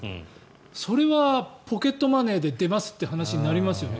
それはポケットマネーで出ますという話になりますよね。